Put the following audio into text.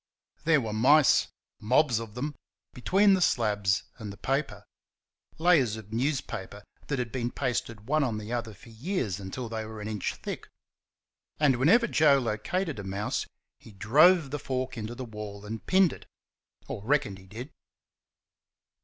There were mice mobs of them between the slabs and the paper layers of newspapers that had been pasted one on the other for years until they were an inch thick; and whenever Joe located a mouse he drove the fork into the wall and pinned it or reckoned he did.